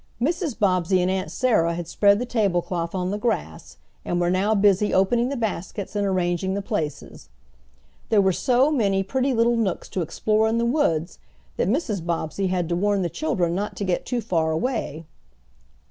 Mrs. Bobbsey and Aunt Sarah had spread the tablecloth on the grass, and were now busy opening the baskets and arranging the places. There were so many pretty little nooks to explore in the woods that Mrs. Bobbsey had to warn the children not to get too far away.